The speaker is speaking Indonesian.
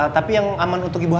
tapi yang aman untuk ibu hamil